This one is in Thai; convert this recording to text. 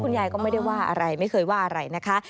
ยายก็ไม่ได้ว่าอะไรไม่เคยว่าอะไรนะคะ